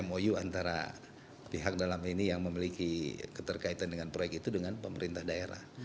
mou antara pihak dalam ini yang memiliki keterkaitan dengan proyek itu dengan pemerintah daerah